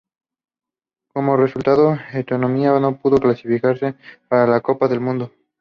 Como resultado, Estonia no pudo clasificarse para la Copa del Mundo.